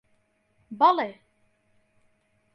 بەڵێ.